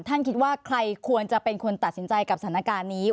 คิดว่าใครควรจะเป็นคนตัดสินใจกับสถานการณ์นี้